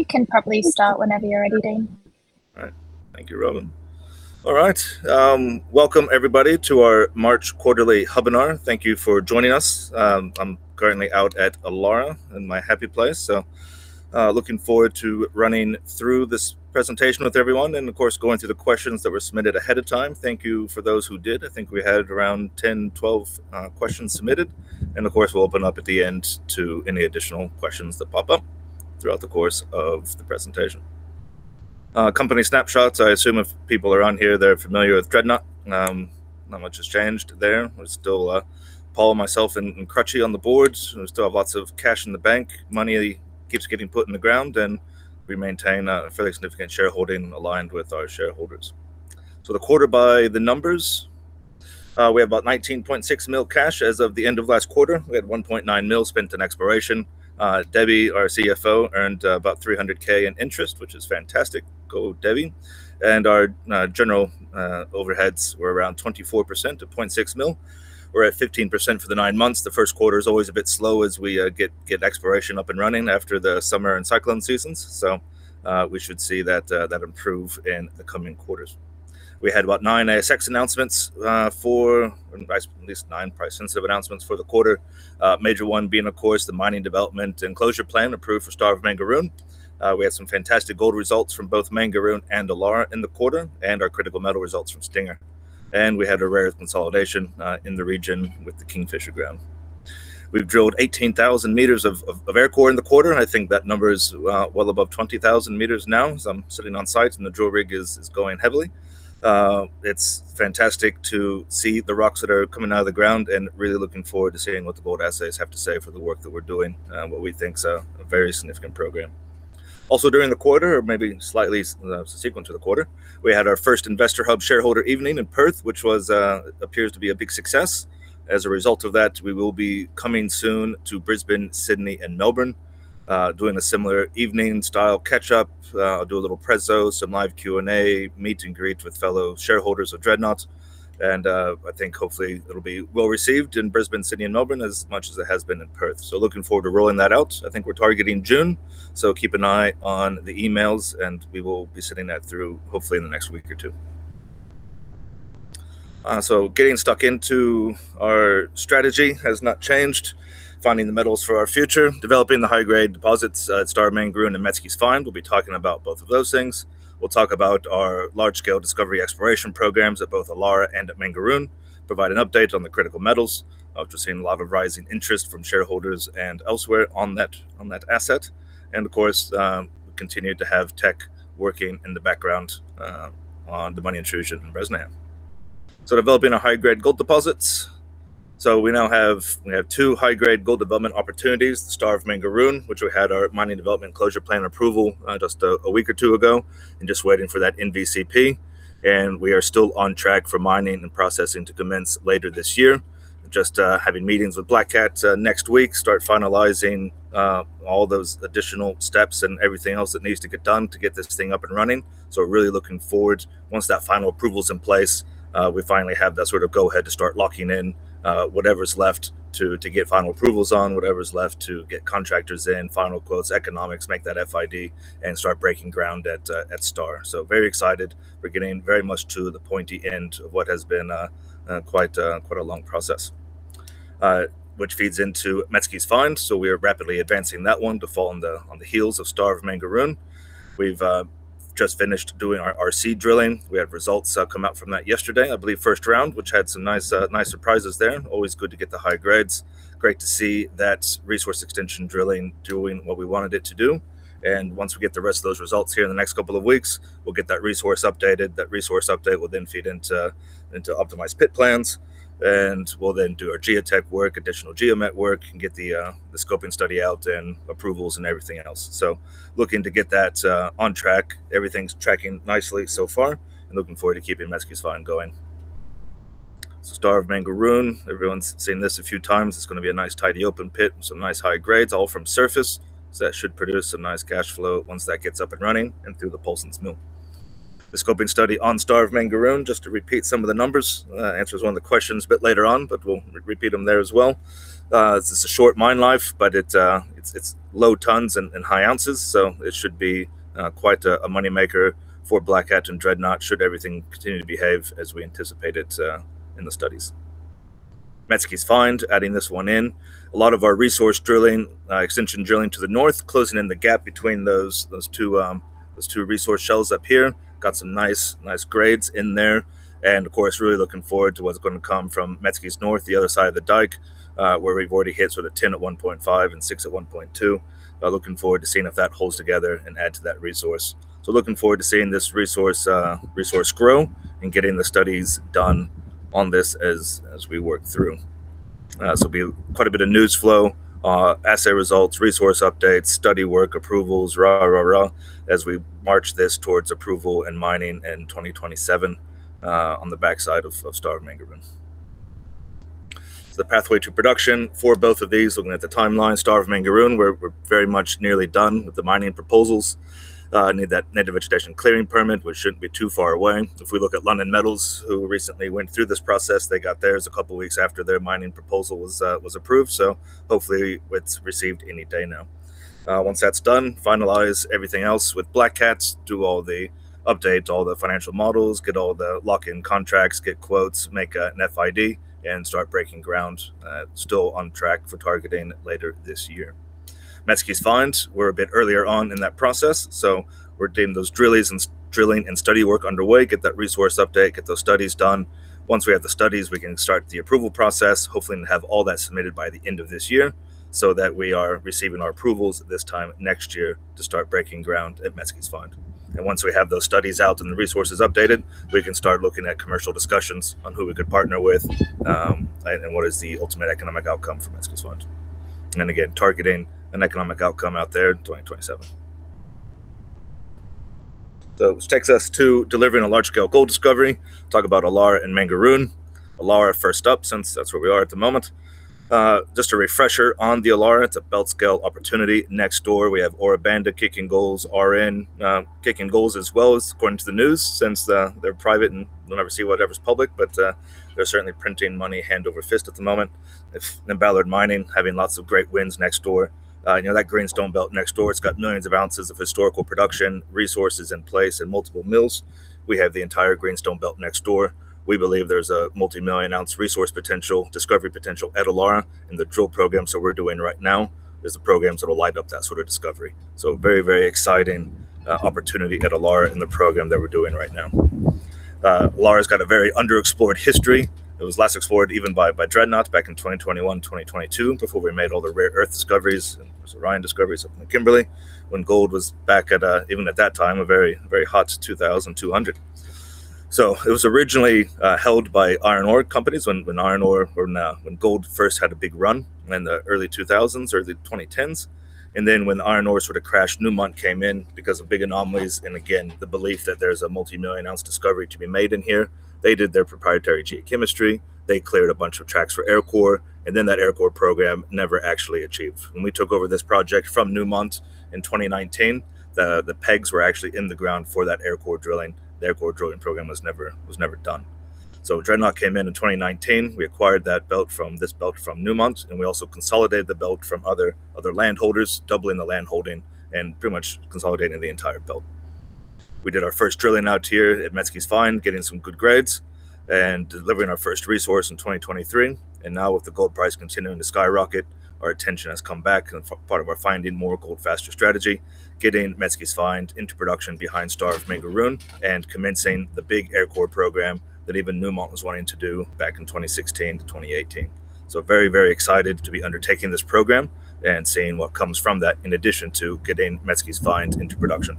You can probably start whenever you're ready, Dean. All right. Thank you, Robyn. All right, welcome everybody to our March quarterly hubinar. Thank you for joining us. I'm currently out at Illaara, in my happy place. Looking forward to running through this presentation with everyone, and of course, going through the questions that were submitted ahead of time. Thank you for those who did. I think we had around 10, 12 questions submitted, and of course, we'll open up at the end to any additional questions that pop up throughout the course of the presentation. Company snapshot. I assume if people are on here, they're familiar with Dreadnought. Not much has changed there, we're still Paul, myself, and Crutchie on the board. We still have lots of cash in the bank. Money keeps getting put in the ground and we maintain a fairly significant shareholding aligned with our shareholders. The quarter by the numbers. We have about 19.6 million cash as of the end of last quarter. We had 1.9 million spent in exploration. Debbie, our CFO, earned about 300,000 in interest, which is fantastic. Go Debbie. Our general overheads were around 24% at 0.6 million. We're at 15% for the nine months. The first quarter's always a bit slow as we get exploration up and running after the summer and cyclone seasons. We should see that improve in the coming quarters. We had, what, nine ASX announcements for, or at least nine price-sensitive announcements for the quarter. Major one being, of course, the mining development and closure plan approved for Star of Mangaroon. We had some fantastic gold results from both Mangaroon and Illaara in the quarter, and our critical metals results from Stinger. And we had a rare consolidation in the region with the Kingfisher ground. We've drilled 18,000 m of aircore in the quarter, and I think that number is well above 20,000 m now, as I'm sitting on site and the drill rig is going heavily. It's fantastic to see the rocks that are coming out of the ground and really looking forward to seeing what the gold assays have to say for the work that we're doing on what we think is a very significant program. Also during the quarter, or maybe slightly subsequent to the quarter, we had our first InvestorHub Shareholder Evening in Perth, which appears to be a big success. As a result of that, we will be coming soon to Brisbane, Sydney, and Melbourne, doing a similar evening style catch-up, do a little preso, some live Q&A, meet and greet with fellow shareholders of Dreadnought. I think, hopefully, it'll be well-received in Brisbane, Sydney, and Melbourne as much as it has been in Perth. Looking forward to rolling that out. I think we're targeting June. Keep an eye on the emails, and we will be sending that through hopefully in the next week or two. Getting stuck into our strategy has not changed. Finding the metals for our future, developing the high-grade deposits at Star of Mangaroon and Metzke's Find, we'll be talking about both of those things. We'll talk about our large-scale discovery exploration prog at both Illaara and at Mangaroon, provide an update on the critical metals. Obviously seeing a lot of rising interest from shareholders and elsewhere on that, on that asset. Of course, continue to have tech working in the background on the Money Intrusion and Bresnahan. So, developing our high-grade gold deposits. We now have two high-grade gold development opportunities, the Star of Mangaroon, which we had our mining development closure plan approval just a week or two ago, and just waiting for that NVCP. We are still on track for mining and processing to commence later this year. Just having meetings with Black Cat next week, start finalizing all those additional steps and everything else that needs to get done to get this thing up and running. So, we're really looking forward. Once that final approval is in place, we finally have that sort of go-ahead to start locking in, whatever's left to get final approvals on, whatever's left to get contractors in, final quotes, economics, make that FID, and start breaking ground at Star. So, very excited, we're getting very much to the pointy end of what has been quite a long process. Which feeds into Metzke's Find. We are rapidly advancing that one to fall on the heels of Star of Mangaroon. We've just finished doing our RC drilling. We had results come out from that yesterday, I believe first round, which had some nice surprises there. Always good to get the high grades. Great to see that resource extension drilling doing what we wanted it to do. Once we get the rest of those results here in the next couple of weeks, we'll get that resource updated. That resource update will then feed into optimized pit plans. We'll then do our geotech work, additional geo-met work, and get the scoping study out and approvals and everything else. Looking to get that on track. Everything's tracking nicely so far and looking forward to keeping Metzke's Find going. Star of Mangaroon, everyone's seen this a few times. It's gonna be a nice tidy open pit with some nice high grades, all from surface. That should produce some nice cash flow once that gets up and running, and through the Paulsens Mill. The scoping study on Star of Mangaroon, just to repeat some of the numbers. Answers one of the questions a bit later on, but we'll repeat them there as well. It's just a short mine life, but it's low tonnes and high oz, so it should be quite a money-maker for Black Cat and Dreadnought should everything continue to behave as we anticipate it in the studies. Metzke's Find, adding this one in. A lot of our resource drilling, extension drilling to the north, closing in the gap between those two resource shells up here. Got some nice grades in there. Of course, really looking forward to what's gonna come from Metzke's North, the other side of the dike, where we've already hit sort of 10 at 1.5 and 6 at 1.2. Looking forward to seeing if that holds together and add to that resource. Looking forward to seeing this resource grow and getting the studies done on this as we work through. It'll be quite a bit of news flow, assay results, resource updates, study work, approvals, as we march this towards approval and mining in 2027 on the backside of Star of Mangaroon. The pathway to production for both of these, looking at the timeline, Star of Mangaroon, we're very much nearly done with the mining proposals. Need that Native Vegetation Clearing Permit, which shouldn't be too far away. If we look at Lunnon Metals, who recently went through this process, they got theirs a couple weeks after their mining proposal was approved, so, hopefully it's received any day now. Once that's done, finalize everything else with Black Cat, do all the updates, all the financial models, get all the lock-in contracts, get quotes, make an FID, and start breaking ground, still on track for targeting later this year. Metzke's Find, we're a bit earlier on in that process, so we're getting those drilling and study work underway, get that resource update, get those studies done. Once we have the studies, we can start the approval process, hopefully, and have all that submitted by the end of this year, so that we are receiving our approvals this time next year to start breaking ground at Metzke's Find. Once we have those studies out and the resources updated, we can start looking at commercial discussions on who we could partner with, and what is the ultimate economic outcome for Metzke's Find. Again, targeting an economic outcome out there in 2027. Which takes us to delivering a large-scale gold discovery. Talk about Illaara and Mangaroon. Illaara first up, since that's where we are at the moment. Just a refresher on the Illaara, it's a belt scale opportunity. Next door, we have Ora Banda kicking goals, Aurenne, kicking goals as well, according to the news since they're private and we'll never see whatever's public, but they're certainly printing money hand over fist at the moment. Ballard Mining, having lots of great wins next door. You know that greenstone belt next door, it's got millions of oz of historical production, resources in place, and multiple mills. We have the entire greenstone belt next door. We believe there's a multi-million-ounce resource potential, discovery potential at Illaara in the drill prog that we're doing right now, is the prog that will light up that sort of discovery. So, very, very exciting opportunity at Illaara in the program that we're doing right now. Illaara's got a very underexplored history. It was last explored even by Dreadnought back in 2021, 2022, before we made all the rare earth discoveries and those Orion discoveries up in the Kimberley, when gold was back at a, even at that time, a very, very hot 2,200. It was originally held by iron ore companies when iron ore, when gold first had a big run in the early 2000s, early 2010s. When iron ore sort of crashed, Newmont came in because of big anomalies. Again, the belief that there's a multi-million-ounce discovery to be made in here. They did their proprietary geochemistry. They cleared a bunch of tracks for aircore, and then that aircore program never actually achieved. When we took over this project from Newmont in 2019, the pegs were actually in the ground for that aircore drilling. The aircore drilling program was never done. Dreadnought came in in 2019. We acquired this belt from Newmont, and we also consolidated the belt from other landholders, doubling the landholding, and pretty much consolidating the entire belt. We did our first drilling out here at Metzke's Find, getting some good grades, and delivering our first resource in 2023. Now with the gold price continuing to skyrocket, our attention has come back and part of our finding more gold faster strategy, getting Metzke's Find into production behind Star of Mangaroon, and commencing the big aircore program that even Newmont was wanting to do back in 2016-2018. So, very, very excited to be undertaking this program and seeing what comes from that in addition to getting Metzke's Find into production.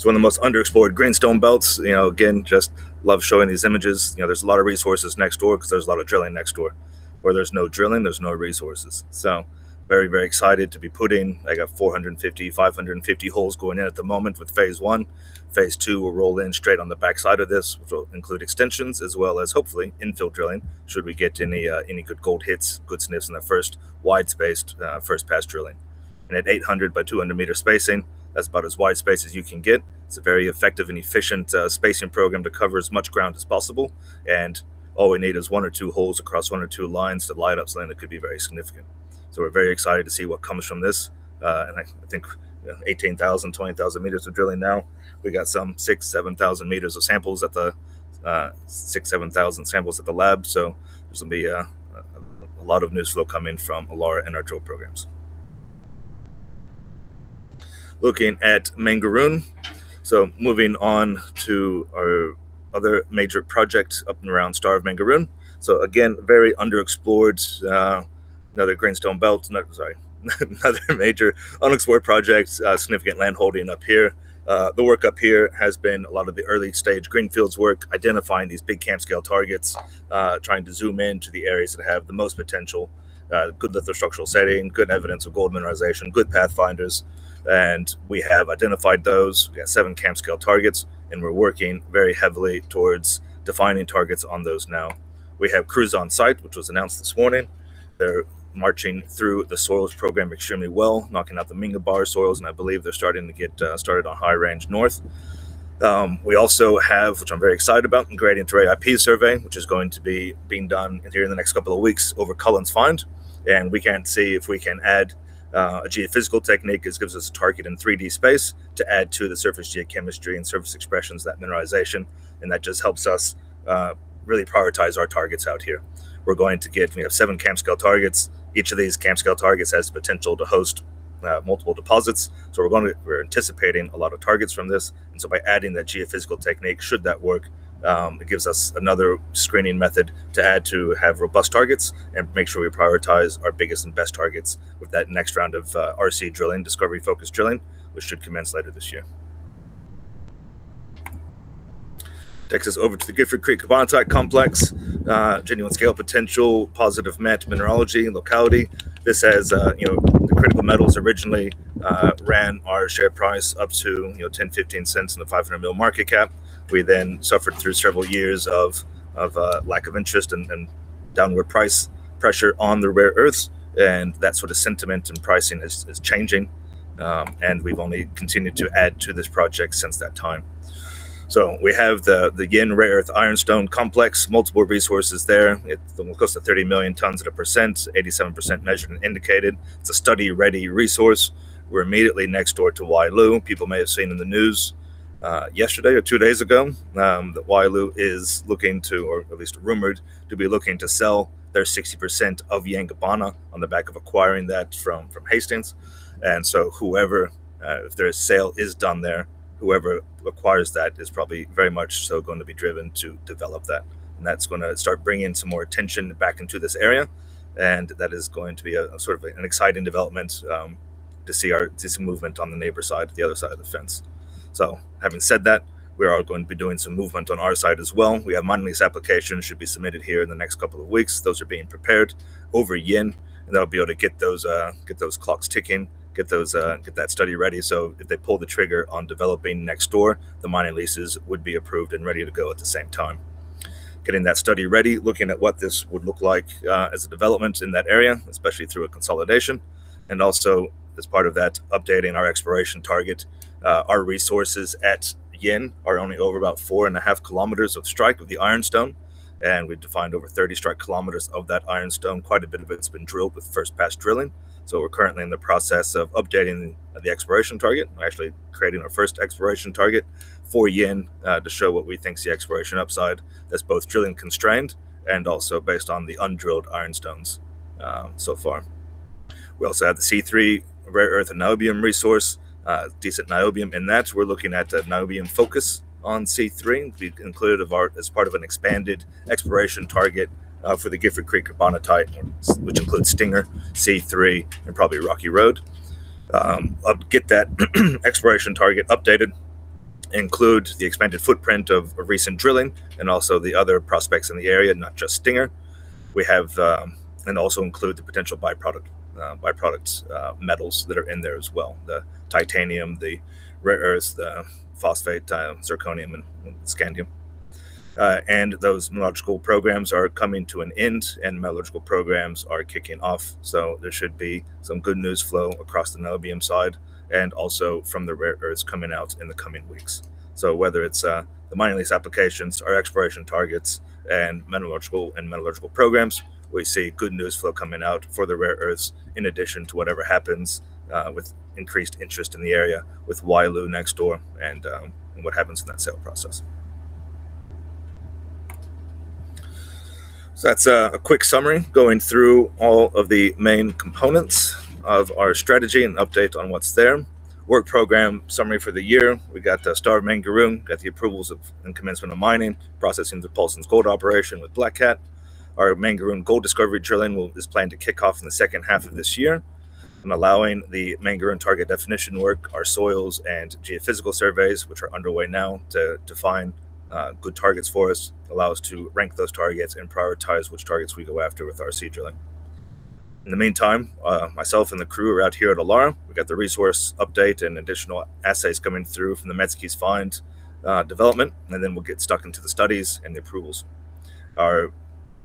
It's one of the most underexplored greenstone belts. You know, again, just love showing these images. You know, there's a lot of resources next door 'cause there's a lot of drilling next door. Where there's no drilling, there's no resources. Very, very excited to be putting, like a 450, 550 holes going in at the moment with Phase 1. Phase 2 will roll in straight on the backside of this, which will include extensions as well as, hopefully, infill drilling should we get any good gold hits, good sniffs in the first wide-spaced, first pass drilling. At 800-m by 200-m spacing, that's about as wide space as you can get. It's a very effective and efficient spacing program to cover as much ground as possible. All we need is one or two holes across one or two lines to light up something that could be very significant. We're very excited to see what comes from this. And I think, you know, 18,000 m, 20,000 m of drilling now. We got some 6,000 m, 7,000 m of samples at the 6,000, 7,000 samples at the lab. There's going to be a lot of news flow coming from Illaara and our drill prog. Looking at Mangaroon, moving on to our other major project up and around Star of Mangaroon. Again, very underexplored, another greenstone belt. No, sorry. Another major unexplored project, significant land holding up here. The work up here has been a lot of the early stage greenfields work, identifying these big camp scale targets, trying to zoom in to the areas that have the most potential, good lithostructural setting, good evidence of gold mineralization, good pathfinders, and we have identified those. We got seven camp scale targets, and we're working very heavily towards defining targets on those now. We have crews on site, which was announced this morning. They're marching through the soils program extremely well, knocking out the Minga Bar soils, and I believe they're starting to get started on High Range North. We also have, which I'm very excited about, a gradient array IP survey, which is going to be being done here in the next couple of weeks over Cullens Find. We can see if we can add a geophysical technique. It gives us a target in 3D space to add to the surface geochemistry and surface expressions of that mineralization, and that just helps us really prioritize our targets out here. We're going to get, you know, seven camp scale targets. Each of these camp scale targets has potential to host multiple deposits, so we're anticipating a lot of targets from this. By adding that geophysical technique, should that work, it gives us another screening method to add to have robust targets and make sure we prioritize our biggest and best targets with that next round of RC drilling, discovery-focused drilling, which should commence later this year. Takes us over to the Gifford Creek Carbonatite type complex, genuine scale potential, positive match mineralogy and locality. This has, you know, the critical metals originally, ran our share price up to, you know, 0.10, 0.15 in the 500 million market cap. We then suffered through several years of lack of interest and downward price pressure on the rare earths and that sort of sentiment and pricing is changing. We've only continued to add to this project since that time. We have the Yin rare earth ironstone complex, multiple resources there. Well, close to 30 million tons at 1%, 87% measured and indicated. It's a study-ready resource. We're immediately next door to Wyloo. People may have seen in the news yesterday or two days ago that Wyloo is looking to, or at least rumored, to be looking to sell their 60% of Yangibana on the back of acquiring that from Hastings. Whoever, if their sale is done there, whoever acquires that is probably very much so going to be driven to develop that. That's gonna start bringing some more attention back into this area, and that is going to be a, sort of an exciting development to see this movement on the neighbor side, the other side of the fence. Having said that, we are going to be doing some movement on our side as well. We have mining lease applications should be submitted here in the next couple of weeks. Those are being prepared over Yin, and that'll be able to get those, get those clocks ticking, get those, get that study ready. If they pull the trigger on developing next door, the mining leases would be approved and ready to go at the same time. Getting that study ready, looking at what this would look like, as a development in that area, especially through a consolidation, and also as part of that, updating our exploration target. Our resources at Yin are only over about 4.5 km of strike of the ironstone, and we've defined over 30 strike km of that ironstone. Quite a bit of it's been drilled with first pass drilling, so we're currently in the process of updating the exploration target. We're actually creating our first exploration target for Yin to show what we think is the exploration upside, that's both drilling constrained and also based on the undrilled ironstones so far. We also have the C3 rare earth and niobium resource, decent niobium in that. We're looking at a niobium focus on C3. We've included, as part of an expanded exploration target for the Gifford Creek Carbonatite, which includes Stinger, C3, and probably Rocky Road. I'll get that exploration target updated, include the expanded footprint of recent drilling and also the other prospects in the area, not just Stinger. We have, and also include the potential byproduct, byproducts, metals that are in there as well, the titanium, the rare earths, the phosphate, zirconium, and scandium. And those metallurgical prog are coming to an end, and metallurgical prog are kicking off. There should be some good news flow across the niobium side and also from the rare earths coming out in the coming weeks. Whether it's the mining lease applications, our exploration targets, and metallurgical prog, we see good news flow coming out for the rare earths in addition to whatever happens with increased interest in the area with Wyloo next door and what happens in that sale process. That's a quick summary going through all of the main components of our strategy and update on what's there. Work program summary for the year. We got Star of Mangaroon, got the approvals of, and commencement of mining, processing through Paulsens Gold Operation with Black Cat. Our Mangaroon gold discovery drilling is planned to kick off in the second half of this year, allowing the Mangaroon target definition work, our soils and geophysical surveys, which are underway now to define good targets for us, allow us to rank those targets and prioritize which targets we go after with our seed drilling. In the meantime, myself and the crew are out here at Illaara. We've got the resource update and additional assays coming through from the Metzke's Find development, and then we'll get stuck into the studies and the approvals.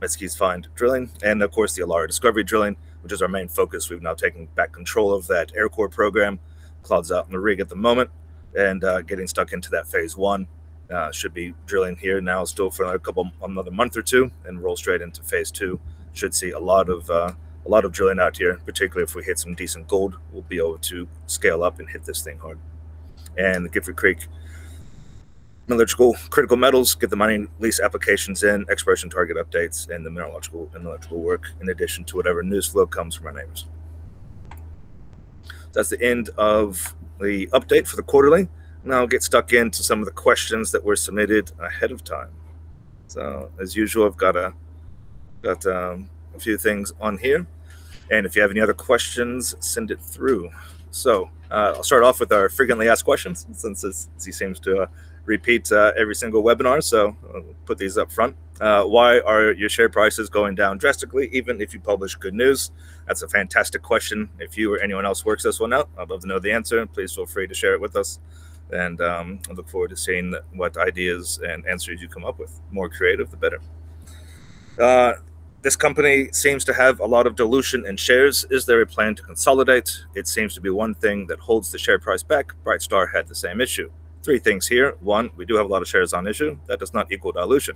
Our Metzke's Find drilling and of course the Illaara discovery drilling, which is our main focus. We've now taken back control of that aircore program. Cloud's out on the rig at the moment and getting stuck into that Phase 1, should be drilling here now still for another month or two and roll straight into Phase 2. Should see a lot of drilling out here, particularly if we hit some decent gold, we'll be able to scale up and hit this thing hard. The Gifford Creek Metallurgical Critical Metals, get the mining lease applications in, exploration target updates, and the metallurgical work in addition to whatever news flow comes from our neighbors. That's the end of the update for the quarterly, and I'll get stuck into some of the questions that were submitted ahead of time. As usual, I've got a few things on here, and if you have any other questions, send it through. I'll start off with our frequently asked questions since this seems to repeat every single webinar. I'll put these up front. Why are your share prices going down drastically even if you publish good news? That's a fantastic question. If you or anyone else works this one out, I'd love to know the answer, and please feel free to share it with us. I look forward to seeing what ideas and answers you come up with. More creative, the better. This company seems to have a lot of dilution in shares, is there a plan to consolidate? It seems to be one thing that holds the share price back. Brightstar had the same issue. Three things here. One, we do have a lot of shares on issue, that does not equal dilution.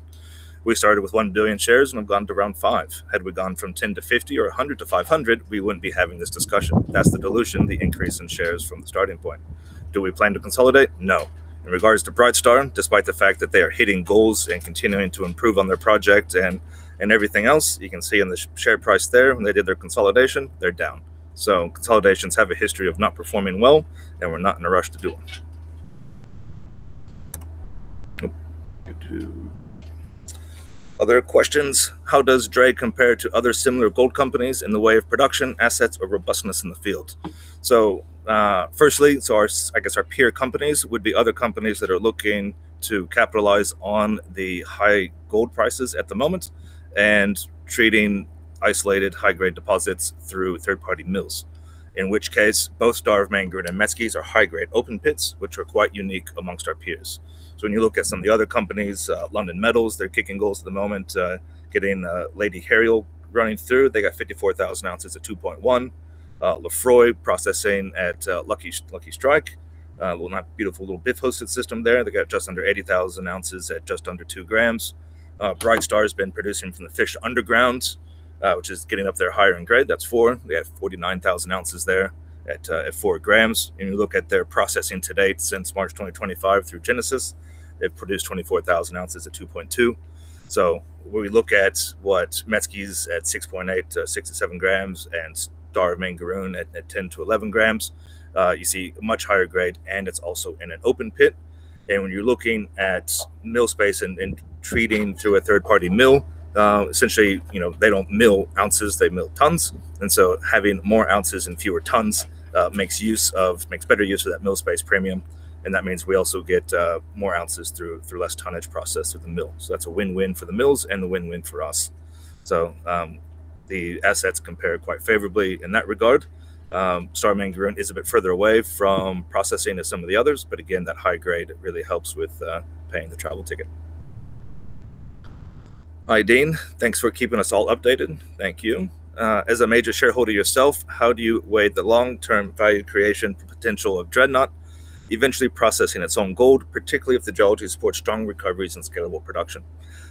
We started with 1 billion shares, we've gone to around 5 billion. Had we gone from 10 to 50 or 100 to 500, we wouldn't be having this discussion. That's the dilution, the increase in shares from the starting point. Do we plan to consolidate? No. In regards to Brightstar, despite the fact that they are hitting goals and continuing to improve on their project and everything else, you can see in the share price there when they did their consolidation, they're down. Consolidations have a history of not performing well, we're not in a rush to do one. Go to other questions. How does DRE compare to other similar gold companies in the way of production, assets, or robustness in the field? So, firstly, I guess, our peer companies would be other companies that are looking to capitalize on the high gold prices at the moment and trading isolated high-grade deposits through third-party mills. In which case, both Star of Mangaroon and Metzke's are high-grade open pits, which are quite unique amongst our peers. When you look at some of the other companies, Lunnon Metals, they're kicking goals at the moment, getting Lady Herial running through. They got 54,000 oz at 2.1 g. Lefroy processing at Lucky Strike, well, not beautiful, little BIF-hosted system there. They got just under 80,000 oz at just under 2 g. Brightstar has been producing from the Fish Undergrounds, which is getting up there higher in grade. That's 4 g. They have 49,000 oz there at 4 g. You look at their processing to date since March 2025 through Genesis, they've produced 24,000 oz at 2.2 g. When we look at what Metzke's at 6.8 g-67 g and Star of Mangaroon at 10 g-11 g, you see a much higher grade and it's also in an open pit. When you're looking at mill space and treating through a third-party mill, essentially, you know, they don't mill ounces, they mill tons. Having more ounes and fewer tons makes better use of that mill space premium. That means we also get more ounces through less tonnage process through the mill. That's a win-win for the mills and a win-win for us. The assets compare quite favorably in that regard. Star of Mangaroon is a bit further away from processing as some of the others. Again, that high grade really helps with paying the travel ticket. "Hi, Dean. Thanks for keeping us all updated." Thank you. "As a major shareholder yourself, how do you weigh the long-term value creation potential of Dreadnought eventually processing its own gold, particularly if the geology supports strong recoveries and scalable production?"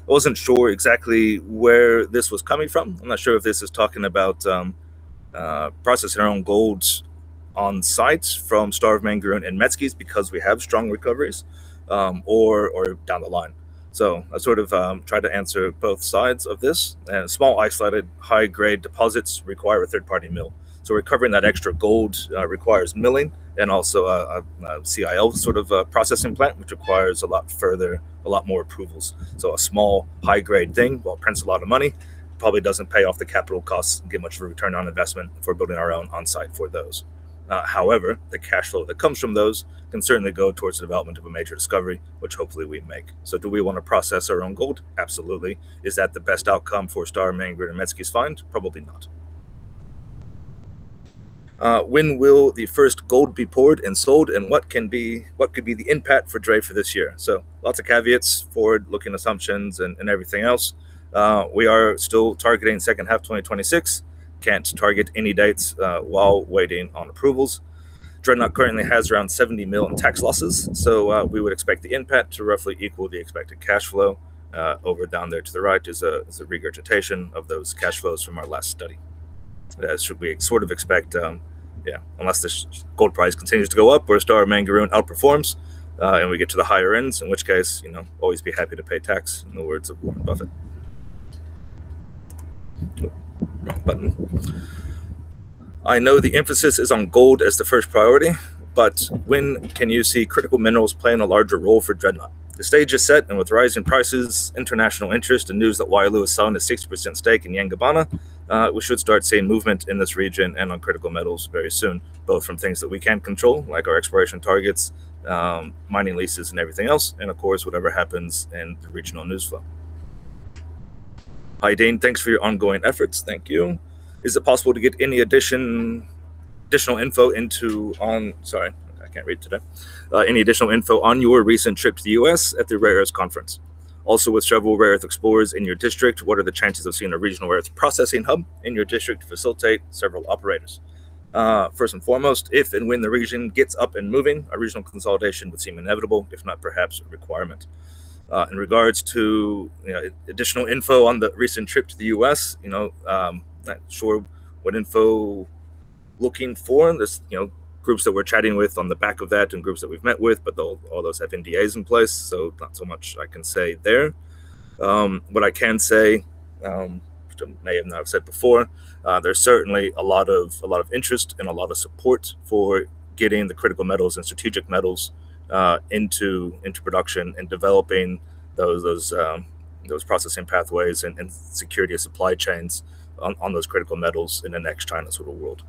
I wasn't sure exactly where this was coming from. I'm not sure if this is talking about processing our own gold on sites from Star of Mangaroon and Metzke's because we have strong recoveries or down the line. I sort of tried to answer both sides of this. Small isolated high-grade deposits require a third-party mill. Recovering that extra gold requires milling and also a CIL sort of processing plant, which requires a lot further, a lot more approvals. A small high-grade thing, while it prints a lot of money, probably doesn't pay off the capital costs and get much of a return on investment for building our own on-site for those. However, the cash flow that comes from those can certainly go towards the development of a major discovery, which hopefully we make. Do we want to process our own gold? Absolutely. Is that the best outcome for Star of Mangaroon and Metzke's Find? Probably not. "When will the first gold be poured and sold and what could be the impact for Dreadnought for this year?" Lots of caveats, forward-looking assumptions, and everything else. We are still targeting second half 2026. Can't target any dates while waiting on approvals. Dreadnought currently has around 70 million in tax losses. We would expect the impact to roughly equal the expected cash flow over down there to the right is a regurgitation of those cash flows from our last study. Should we sort of expect, yeah, unless this gold price continues to go up or Star of Mangaroon outperforms and we get to the higher ends, in which case, you know, always be happy to pay tax in the words of Warren Buffett. Wrong button. "I know the emphasis is on gold as the first priority, but when can you see critical minerals playing a larger role for Dreadnought?" The stage is set with rising prices, international interest and news that Wyloo is selling a 60% stake in Yangibana, we should start seeing movement in this region and on critical metals very soon, both from things that we can control, like our exploration targets, mining leases and everything else, and of course, whatever happens in the regional news flow. "Hi, Dean. Thanks for your ongoing efforts." Thank you. "Is it possible to get any additional info into on," sorry, I can't read today. "Any additional info on your recent trip to the U.S. at the rare earths conference? Also, with several rare earth explorers in your district, what are the chances of seeing a regional rare earth processing hub in your district to facilitate several operators?" First and foremost, if and when the region gets up and moving, a regional consolidation would seem inevitable, if not perhaps a requirement. In regards to additional info on the recent trip to the U.S., you know, not sure what info looking for. There's, you know, groups that we're chatting with on the back of that and groups that we've met with. All those have NDAs in place, so not so much I can say there. What I can say, which I may have not said before, there's certainly a lot of interest and a lot of support for getting the critical metals and strategic metals into production and developing those processing pathways and security of supply chains on those critical metals in the next China sort of world.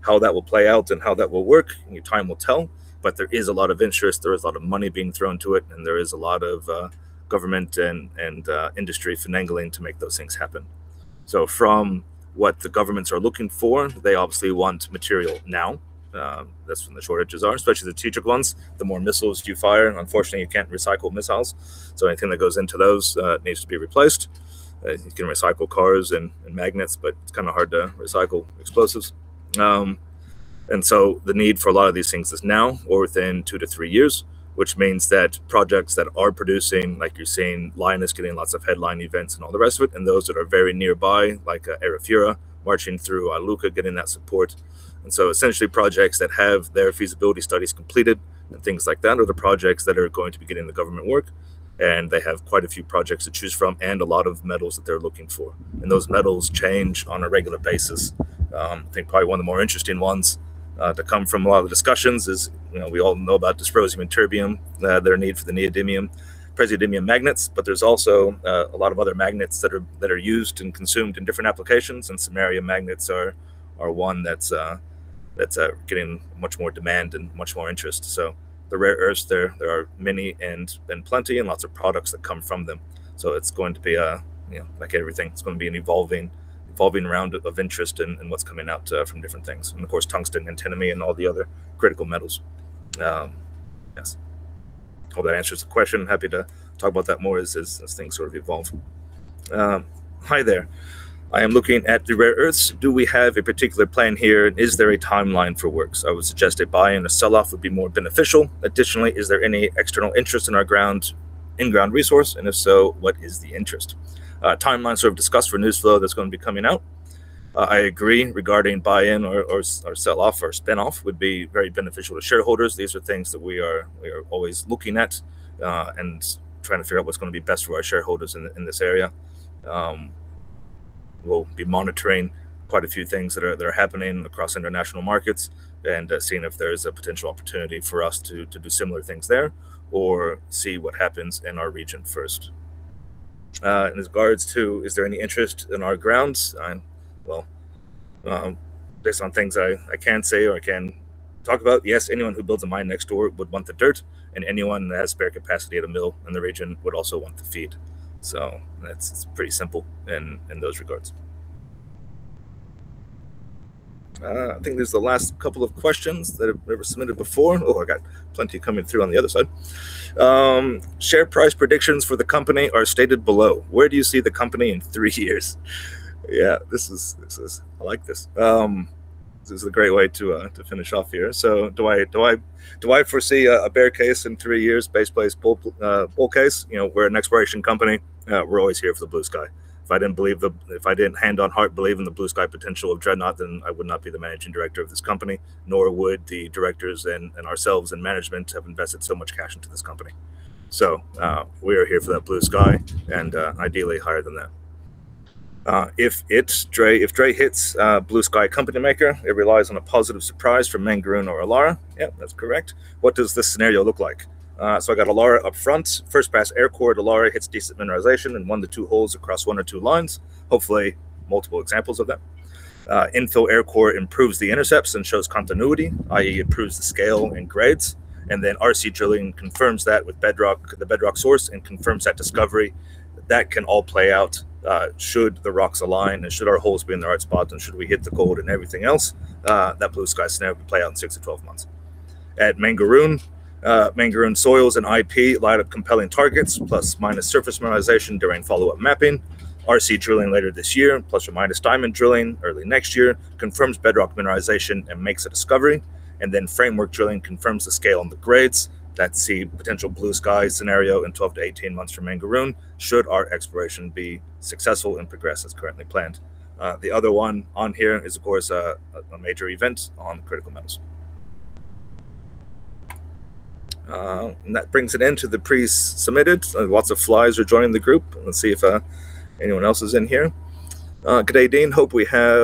How that will play out and how that will work, only time will tell, but there is a lot of interest, there is a lot of money being thrown to it, and there is a lot of government and industry finagling to make those things happen. From what the governments are looking for, they obviously want material now. That's when the shortages are, especially the strategic ones. The more missiles you fire, unfortunately, you can't recycle missiles. Anything that goes into those needs to be replaced. You can recycle cars and magnets, but it's kind of hard to recycle explosives. And so, the need for a lot of these things is now or within two to three years, which means that projects that are producing, like you're seeing Lynas is getting lots of headline events and all the rest of it. Those that are very nearby, like Arafura marching through Iluka, getting that support. So, essentially, projects that have their feasibility studies completed and things like that are the projects that are going to be getting the government work. They have quite a few projects to choose from and a lot of metals that they're looking for. Those metals change on a regular basis. I think probably one of the more interesting ones to come from a lot of the discussions is, you know, we all know about dysprosium and terbium, their need for the neodymium, praseodymium magnets. But there's also a lot of other magnets that are used and consumed in different applications. Samarium magnets are one that's getting much more demand and much more interest. The rare earths there are many and plenty and lots of products that come from them. It's going to be a, you know, like everything, it's going to be an evolving round of interest in what's coming out there from different things. Of course, tungsten and antimony and all the other critical metals. Yes. Hope that answers the question. Happy to talk about that more as things sort of evolve. "Hi there. I am looking at the rare earths. Do we have a particular plan here? Is there a timeline for works? I would suggest a buy and a sell-off would be more beneficial. Additionally, is there any external interest in our ground, in-ground resource, and if so, what is the interest?" A timeline sort of discussed for news flow that's going to be coming out. I agree regarding buy-in or sell-off or spin-off would be very beneficial to shareholders. These are things that we are always looking at and trying to figure out what's gonna be best for our shareholders in this area. We'll be monitoring quite a few things that are happening across international markets and seeing if there's a potential opportunity for us to do similar things there or see what happens in our region first. As regards to is there any interest in our grounds, well, based on things I can say or I can talk about, yes, anyone who builds a mine next door would want the dirt, and anyone that has spare capacity at a mill in the region would also want the feed. That's pretty simple in those regards. I think there's the last couple of questions that were submitted before. Oh my God, plenty coming through on the other side. "Share price predictions for the company are stated below. Where do you see the company in three years?" This is, I like this. This is a great way to finish off here. "Do I foresee a bear case in three years, base case, bull case?" You know, we're an exploration company. We're always here for the blue sky. If I didn't hand on heart believe in the blue-sky potential of Dreadnought, I would not be the Managing Director of this company, nor would the directors and ourselves and management have invested so much cash into this company. We are here for that blue sky and ideally higher than that. If DRE hits blue sky company maker, it relies on a positive surprise from Mangaroon or Illaara. Yeah, that's correct. What does this scenario look like? So, I got Illaara up front. First pass aircore at Illaara hits decent mineralization in one to two holes across one or two lines. Hopefully, multiple examples of that. Infill aircore improves the intercepts and shows continuity, i.e. improves the scale and grades, and then RC drilling confirms that with bedrock, the bedrock source and confirms that discovery. That can all play out, should the rocks align, and should our holes be in the right spots, and should we hit the gold and everything else. That blue sky scenario could play out in six to 12 months. At Mangaroon soils and IP light up compelling targets, plus minus surface mineralization during follow-up mapping. RC drilling later this year, plus or minus diamond drilling early next year confirms bedrock mineralization and makes a discovery, and then framework drilling confirms the scale on the grades. That's the potential blue-sky scenario in 12-18 months for Mangaroon, should our exploration be successful and progress as currently planned. The other one on here is of course, a major event on critical metals. That brings an end to the pre-submitted. Lots of flies are joining the group. Let's see if anyone else is in here. "G'day, Dean. Hope we have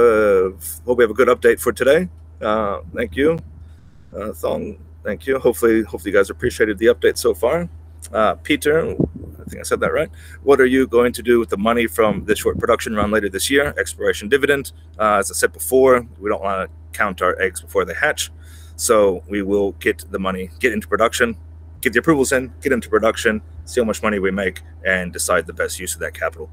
a good update for today." Thank you. [Thung], thank you, hopefully you guys appreciated the update so far. Peter, I think I said that right, "What are you going to do with the money from the short production run later this year?" Exploration dividend. As I said before, we don't wanna count our eggs before they hatch. We will get the money, get into production, get the approvals in, get into production, see how much money we make, and decide the best use of that capital.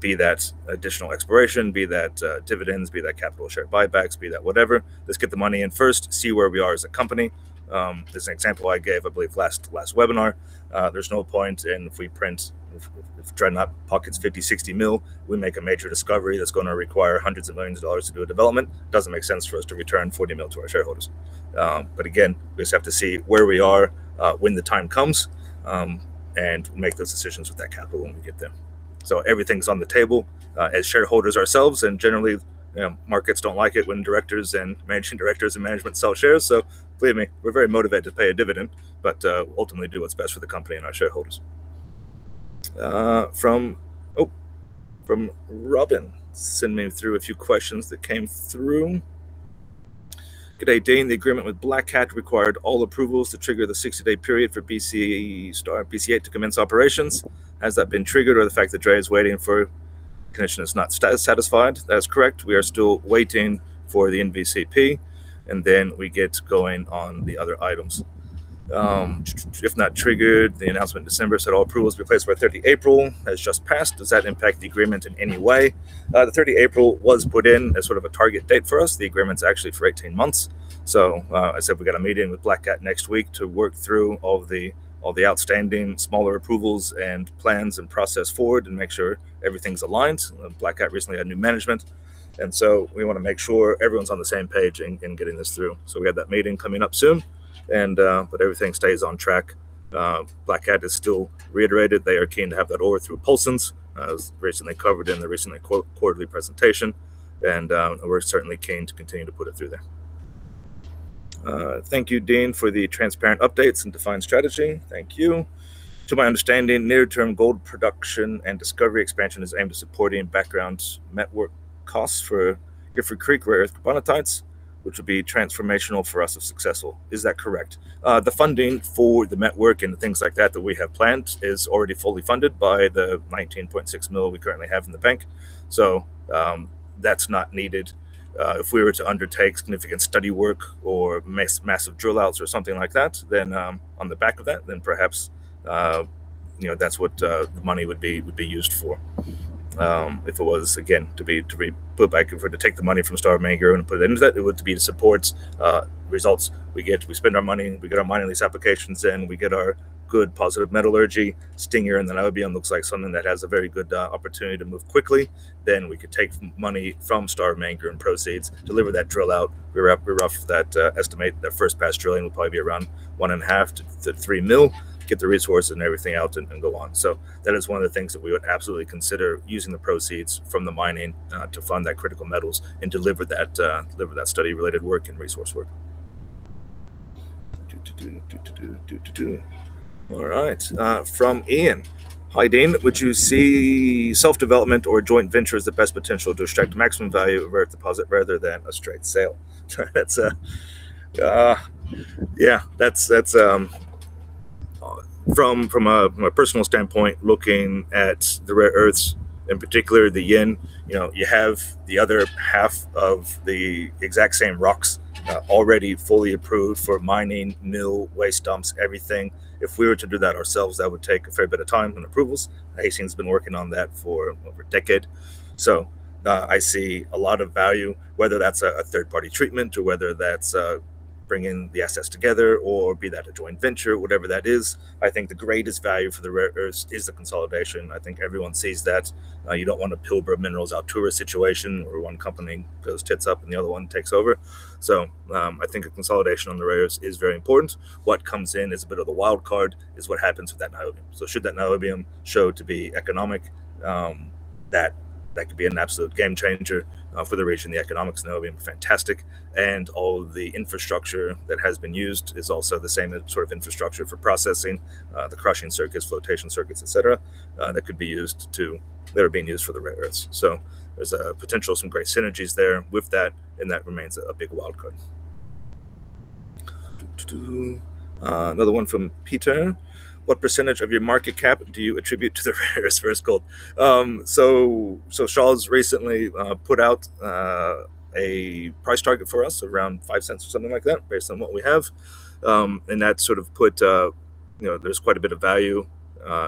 Be that additional exploration, be that dividends, be that capital share buybacks, be that whatever. Let's get the money in first, see where we are as a company. There's an example I gave, I believe last webinar. There's no point in [pre-prints] if Dreadnought pockets 50 million, 60 million, we make a major discovery that's gonna require hundreds of millions of dollars to do a development, doesn't make sense for us to return 40 million to our shareholders. Again, we just have to see where we are when the time comes and make those decisions with that capital when we get there. Everything's on the table. As shareholders ourselves, and generally, you know, markets don't like it when directors and managing directors and management sell shares, so, believe me, we're very motivated to pay a dividend, but ultimately, we do what's best for the company and our shareholders. From [Robin] sending through a few questions that came through. "G'day, Dean. The agreement with Black Cat required all approvals to trigger the 60-day period for BC8 to commence operations. Has that been triggered or the fact that DRE is waiting for permission is not satisfied?" That is correct. We are still waiting for the NVCP, and then we get going on the other items. "If not triggered, the announcement in December said all approvals required by 30 April has just passed. Does that impact the agreement in any way?" The 30 April was put in as sort of a target date for us. The agreement's actually for 18 months. As I said, we've got a meeting with Black Cat next week to work through all the outstanding smaller approvals and plans and process forward and make sure everything's aligned. Black Cat recently had new management, and so, we wanna make sure everyone's on the same page in getting this through. We have that meeting coming up soon, but everything stays on track. Black Cat has still reiterated they are keen to have that ore through Paulsens, as recently covered in the recent quarterly presentation, and we're certainly keen to continue to put it through there. "Thank you, Dean, for the transparent updates and defined strategy." Thank you. "To my understanding, near-term gold production and discovery expansion is aimed at supporting background network costs for Gifford Creek rare earth monazites, which would be transformational for us if successful. Is that correct?" The funding for the network and things like that that we have planned is already fully funded by the 19.6 million we currently have in the bank. So, that's not needed. If we were to undertake significant study work or massive drill outs or something like that, then, on the back of that, then perhaps, you know, that's what the money would be used for. If it was, again, to be put back, if we're to take the money from Star of Mangaroon and put it into that, it would to be to support results we get. We spend our money, we get our mining lease applications in, we get our good positive metallurgy, Stinger and then niobium looks like something that has a very good opportunity to move quickly. Then, we could take money from Star of Mangaroon proceeds, deliver that drill out. We rough that estimate, that first pass drilling will probably be around 1.5 million-3 million, get the resource and everything out and go on. That is one of the things that we would absolutely consider using the proceeds from the mining to fund that critical metals and deliver that study related work and resource work. All right, from Ian, "Hi Dean. Would you see self-development or joint venture as the best potential to extract the maximum value of a rare earth deposit rather than a straight sale?" That's, that's from a personal standpoint, looking at the rare earths, in particular the Yin, you know, you have the other half of the exact same rocks already fully approved for mining, mill, waste dumps, everything. If we were to do that ourselves, that would take a fair bit of time and approvals. Hastings has been working on that for over a decade. I see a lot of value, whether that's a third-party treatment or whether that's bringing the assets together or be that a joint venture, whatever that is. I think the greatest value for the rare earths is the consolidation. I think everyone sees that. You don't want a Pilbara Minerals, Altura situation where one company goes tits up and the other one takes over. So, I think a consolidation on the rare earths is very important. What comes in is a bit of the wild card, is what happens with that niobium. Should that niobium show to be economic, that could be an absolute game changer for the region. The economics of niobium are fantastic, and all the infrastructure that has been used is also the same as sort of infrastructure for processing, the crushing circuits, flotation circuits, et cetera, that are being used for the rare earths. There's a potential some great synergies there with that, and that remains a big wild card. Another one from Peter, "What percentage of your market cap do you attribute to the rare earths versus gold?" So, Charles recently put out a price target for us around 0.05 or something like that based on what we have. That sort of put, you know, there's quite a bit of value,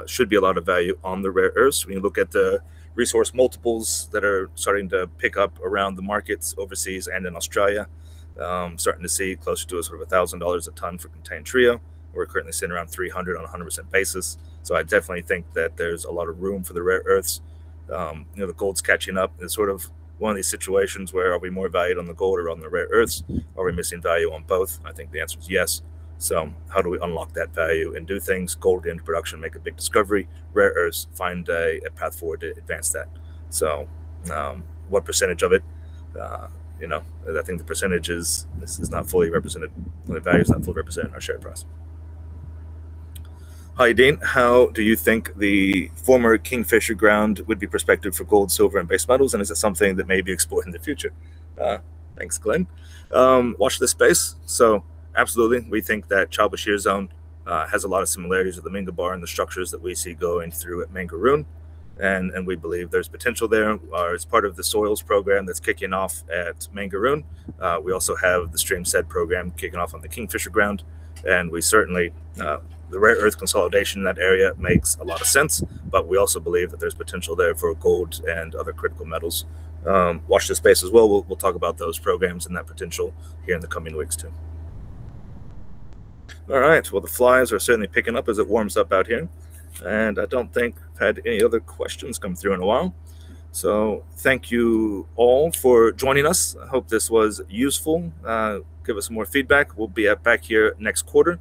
should be a lot of value on the rare earths. When you look at the resource multiples that are starting to pick up around the markets overseas and in Australia, starting to see closer to a sort of 1,000 dollars a ton for contained TREO. We're currently sitting around 300 on 100% basis. I definitely think that there's a lot of room for the rare earths. You know, the gold's catching up and it's sort of one of these situations where are we more valued on the gold or on the rare earths? Are we missing value on both? I think the answer is yes. How do we unlock that value and do things, gold into production, make a big discovery, rare earths, find a path forward to advance that. What percentage of it? You know, I think the percentage is not fully represented, the value is not fully represented in our share price. "Hi Dean, how do you think the former Kingfisher ground would be prospective for gold, silver and base metals, and is it something that may be explored in the future?" Thanks [Glenn]. Watch this space. Absolutely, we think that Chalba Shear Zone has a lot of similarities with the Minga Bar and the structures that we see going through at Mangaroon, and we believe there's potential there. It's part of the soils program that's kicking off at Mangaroon. We also have the stream set program kicking off on the Kingfisher ground, and we certainly, the rare earth consolidation in that area makes a lot of sense, but we also believe that there's potential there for gold and other critical metals. Watch this space as well. We'll talk about those programs and that potential here in the coming weeks too. All right. The flies are certainly picking up as it warms up out here, and I don't think I've had any other questions come through in a while. Thank you all for joining us. I hope this was useful. Give us more feedback. We'll be back here next quarter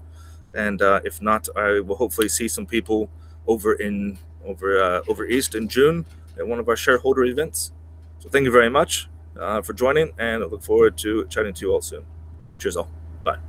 and if not, I will hopefully see some people over in, over east in June at one of our shareholder events. Thank you very much for joining and I look forward to chatting to you all soon. Cheers all. Bye.